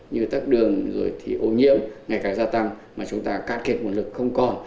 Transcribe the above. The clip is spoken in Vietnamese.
các đường rồi thì ô nhiễm ngày càng gia tăng mà chúng ta cát kiệt nguồn lực không còn